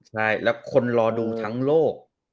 ใช่แล้วคนรอดูทั้งโลก